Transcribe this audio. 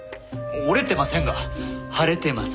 折れてませんが腫れてます。